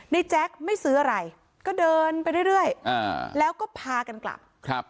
แจ๊คไม่ซื้ออะไรก็เดินไปเรื่อยแล้วก็พากันกลับ